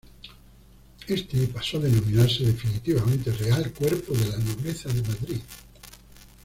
Este pasó a denominarse definitivamente Real Cuerpo de la Nobleza de Madrid.